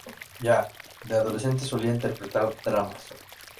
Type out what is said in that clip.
Ya, de adolescente, solía interpretar dramas.